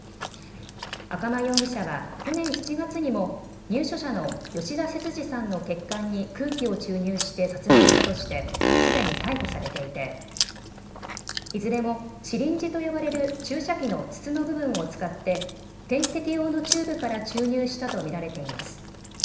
赤間容疑者は去年７月にも入所者の吉田節次さんの血管に空気を注入して殺害したとしてすでに逮捕されていていずれもシリンジと呼ばれる注射器の筒の部分を使って点滴用のチューブから注入したと見られています。